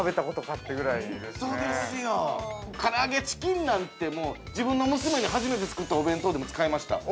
「からあげチキン」なんて自分の娘に初めて作ったお弁当でも使いました。